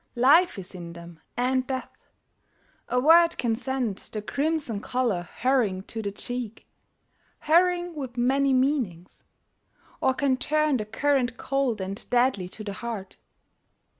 Life is in them, and death. A word can send The crimson colour hurrying to the cheek. Hurrying with many meanings; or can turn The current cold and deadly to the heart.